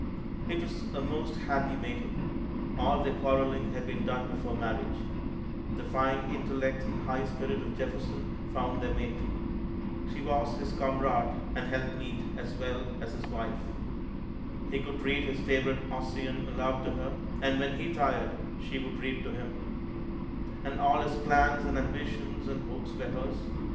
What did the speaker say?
It was a most happy mating all their quarreling had been done before marriage. The fine intellect and high spirit of Jefferson found their mate. She was his comrade and helpmeet as well as his wife. He could read his favorite Ossian aloud to her, and when he tired she would read to him; and all his plans and ambitions and hopes were hers.